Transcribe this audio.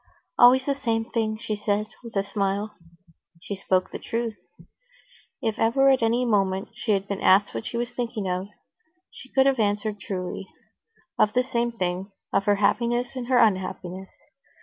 "Always the same thing," she said, with a smile. She spoke the truth. If ever at any moment she had been asked what she was thinking of, she could have answered truly: of the same thing, of her happiness and her unhappiness.